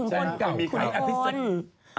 ใช่คุณพลอิสละ